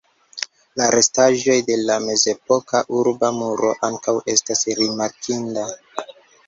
La restaĵoj de la mezepoka urba muro ankaŭ estas rimarkinda.